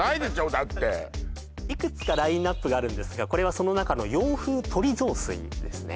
だっていくつかラインナップがあるんですがこれはその中の洋風とり雑炊ですね